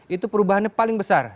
itu perubahannya paling besar